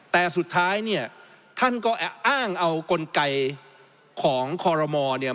แต่สุดท้ายเนี่ยท่านก็อ้างเอากลไกของคอรมอลเนี่ย